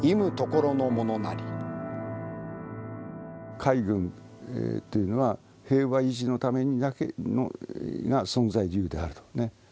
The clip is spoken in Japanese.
海軍というのは平和維持のためだけが存在理由であると。